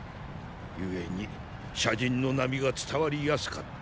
故に斜陣の波が伝わりやすかったと。